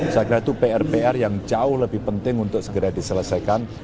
saya kira itu pr pr yang jauh lebih penting untuk segera diselesaikan